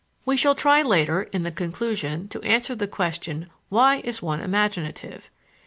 We shall try later (in the Conclusion) to answer the question, Why is one imaginative?